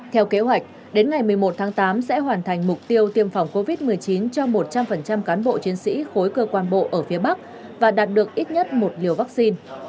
theo kế hoạch đến ngày một mươi một tháng tám sẽ hoàn thành mục tiêu tiêm phòng covid một mươi chín cho một trăm linh cán bộ chiến sĩ khối cơ quan bộ ở phía bắc và đạt được ít nhất một liều vaccine